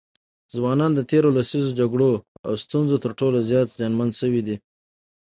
ځوانان د تېرو لسیزو جګړو او ستونزو تر ټولو زیات زیانمن سوي دي.